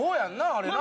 あれな。